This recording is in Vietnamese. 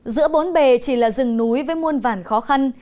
giữa bốn bề chỉ là rừng núi với muôn vản khó khăn